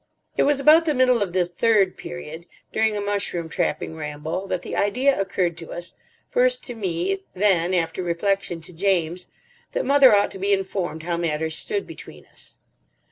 It was about the middle of this third period, during a mushroom trapping ramble, that the idea occurred to us, first to me, then—after reflection—to James, that mother ought to be informed how matters stood between us.